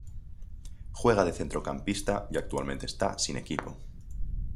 Juega de centrocampista y actualmente está sin equipo.